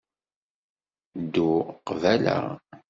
Ddu qbala